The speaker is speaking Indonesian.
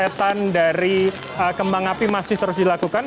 penyekatan dari kembang api masih terus dilakukan